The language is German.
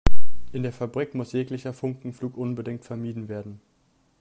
In der Fabrik muss jeglicher Funkenflug unbedingt vermieden werden.